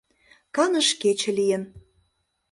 Каныш кече лийын.